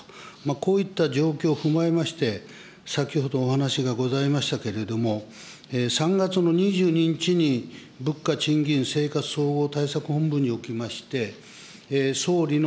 こういった状況を踏まえまして、先ほどお話がございましたけれども、３月の２２日に物価・賃金・生活総合対策本部におきまして総理の